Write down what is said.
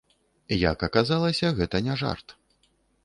Як аказалася, гэта не жарт.